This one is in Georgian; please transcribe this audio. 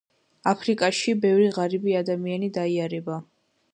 აფრიკაში ბევრი ღარიბი ადამიანი დაიარება